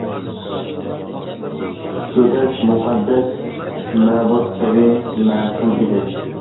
گۆدەك مۇقەددەس مەبۇد كەبى مەسۇم ئىدى.